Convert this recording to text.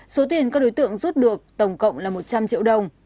số tiền các đối tượng rút được tổng cộng là một trăm linh triệu đồng